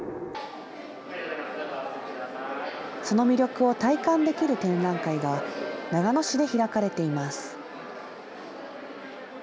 その魅力を体感できる展覧会が、長野市で開かれています。